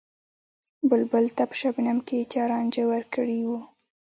بلبل ته په شبنم کــــې چا رانجه ور کـــړي وو